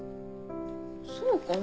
そうかな？